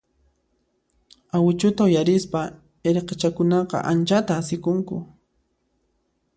Awichuta uyarispa irqichakunaqa anchata asikunku.